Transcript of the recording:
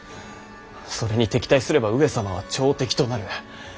それに敵対すれば上様は朝敵となる。